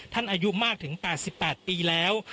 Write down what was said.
อายุมากถึง๘๘ปีแล้ว